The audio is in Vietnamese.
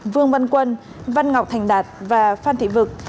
vương văn quân văn ngọc thành đạt và phan thị vực